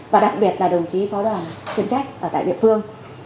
và đặc biệt là đồng chí phó đoàn chuyên trách ở tại địa phương